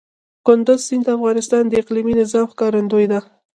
کندز سیند د افغانستان د اقلیمي نظام ښکارندوی ده.